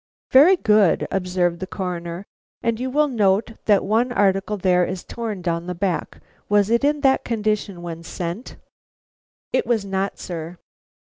"Very good," observed the Coroner, "and you will note that one article there is torn down the back. Was it in that condition when sent?" "It was not, sir."